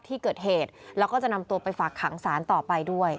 ที่เกิดเหตุแล้วก็จะนำตัวไปฝากขังสารต่อไปด้วย